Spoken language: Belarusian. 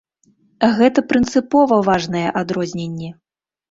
Гэта прынцыпова важныя адрозненні!